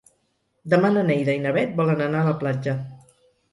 Demà na Neida i na Bet volen anar a la platja.